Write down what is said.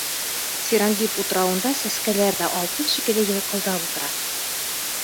Сирандип утрауында сәскәләр ҙә алтын шикелле йылҡылдап ултыра.